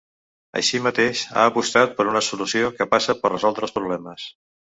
Així mateix, ha apostat per una solució que passa per resoldre els problemes.